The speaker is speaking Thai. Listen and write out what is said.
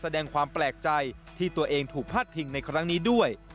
แสดงความแปลกใจที่ตัวเองถูกพาดพิงในครั้งนี้ด้วย